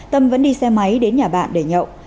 tâm vẫn đi xe máy đến nhà bạn để nhậu